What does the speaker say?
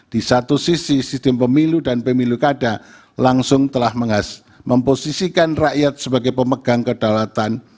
di satu sisi sistem pemilu dan pemilu kada langsung telah memposisikan rakyat sebagai pemegang kedaulatan